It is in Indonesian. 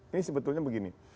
ini sebetulnya begini